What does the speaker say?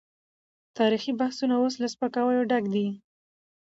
تاريخي بحثونه اوس له سپکاوي ډک دي.